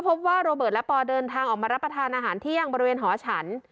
พบว่าโรเบิร์ตและปอเดินทางออกมารับประทานอาหารเที่ยงบริเวณหอฉัน